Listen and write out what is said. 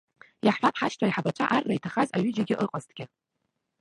Иаҳҳәап, ҳашьцәа аиҳабацәа арра иҭахаз аҩыџьагьы ыҟазҭгьы.